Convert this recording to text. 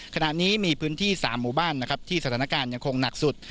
ขณะนี้มีพื้นที่๓หมู่บ้านนะครับที่สถานการณ์ยังคงหนักสุด